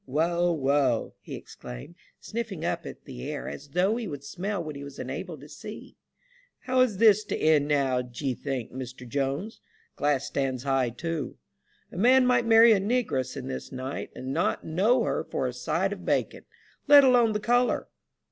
" Well, well," he exclaimed, sniffing up at the air as though he would smell what he was unable to see ;" how is this to end now d'ye think, Mr. Jones ? Glass stands high too. A man might marry a negress in this night, and not know her for a side of bacon, let alone the colour.